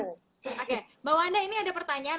mba wanda ini ada pertanyaan